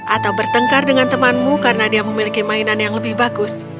atau bertengkar dengan temanmu karena dia memiliki mainan yang lebih bagus